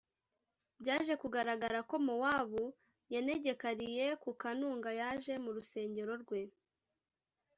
Byaje kugaragara ko mowabu yanegekariye ku kanunga yaje mu rusengero rwe